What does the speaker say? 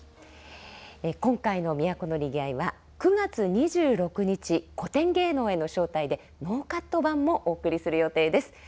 今回の「都の賑い」は９月２６日「古典芸能への招待」でノーカット版もお送りする予定です。